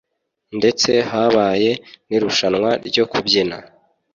ndetse habaye n'irushanwa ryo kubyina.